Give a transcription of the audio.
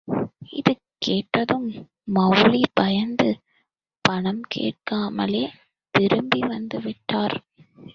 —இது கேட்டதும், மவுல்வி பயந்து, பணம் கேட்காமலே திரும்பி வந்து விட்டார்.